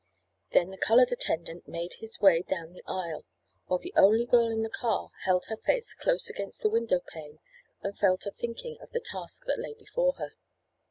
Then the colored attendant made his way down the aisle, while the only girl in the car held her face close against the window pane and fell to thinking of the task that lay before her.